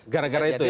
gara gara itu ya